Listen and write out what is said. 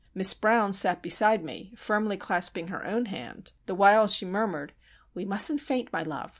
Miss Brown sat beside me, firmly clasping her own hand, the while she murmured,— "We mustn't faint, my love.